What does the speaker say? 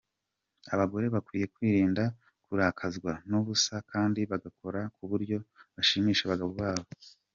Abagore bakwiye kwirinda kurakazwa n’ubusa kandi bagakora ku buryo bashimisha abagabo babo.